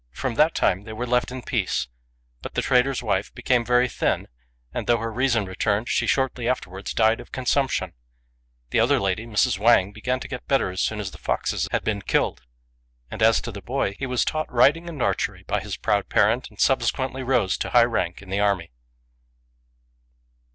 From that time they were left in peace; but the trader's wife became very thin, and though her reason returned, she shortly after wards died of consumption. The other lady, Mrs. Wang, began to get better as soon as the foxes had been killed; and as to the boy, he was taught riding and archery 3 by his proud parent, and subsequently rose to high rank in the army.